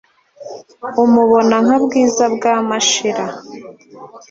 umubona nka bwiza bwa mashira